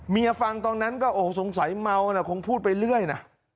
ฟังตอนนั้นก็โอ้โหสงสัยเมานะคงพูดไปเรื่อยนะ